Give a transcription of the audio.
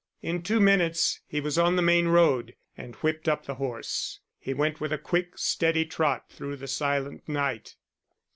In two minutes he was on the main road, and whipped up the horse. He went with a quick, steady trot through the silent night.